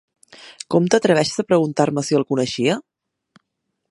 Com t'atreveixes a preguntar-me si el coneixia?